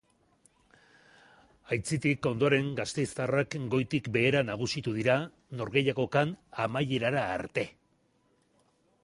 Aitzitik, ondoren, gasteiztarrak goitik behera nagusitu dira norgehiagokan amaierara arte.